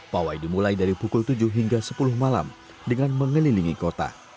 pawai dimulai dari pukul tujuh hingga sepuluh malam dengan mengelilingi kota